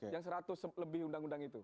yang seratus lebih undang undang itu